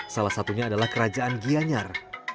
salah satunya adalah kerajaan gianyar